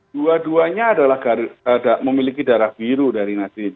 dua duanya adalah memiliki darah biru dari nasir